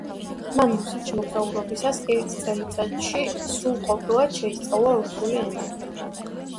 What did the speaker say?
მან რუსეთში მოგზაურობისას ერთ წელიწადში სრულყოფილად შეისწავლა რუსული ენა.